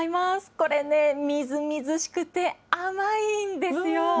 これね、みずみずしくて、甘いんですよ。